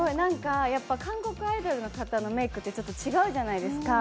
韓国アイドルの方のメイクって、ちょっと違うじゃないですか。